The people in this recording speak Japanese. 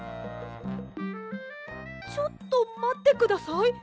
ちょっとまってください。